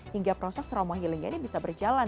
hingga proses trauma healingnya ini bisa berjalan